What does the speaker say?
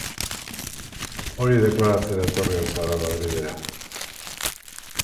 Hori deklaratzera etorri al zara Madrilera?